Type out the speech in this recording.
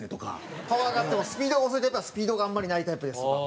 パワーがあってもスピードが遅いと「スピードがあんまりないタイプです」とか。